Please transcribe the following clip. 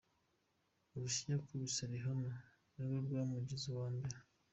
Urushyi yakubise Rihanna nirwo rwamugize uwa mbere.